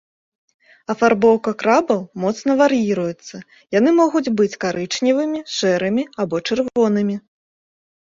Афарбоўка крабаў моцна вар'іруецца, яны могуць быць карычневымі, шэрымі або чырвонымі.